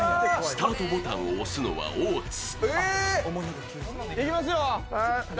スタートボタンを押すのは大津。